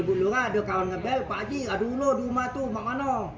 ibu lu ada kawan ngebel pagi aduh lu rumah tuh maka no